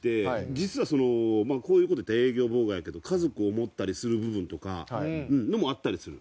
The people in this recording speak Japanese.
実は、こういうこと言ったら営業妨害やけど家族を思ったりする部分とかもあったりする。